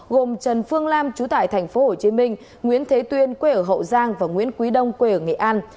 gồm trần phương lam chú tại tp hcm nguyễn thế tuyên quê ở hậu giang và nguyễn quý đông quê ở nghệ an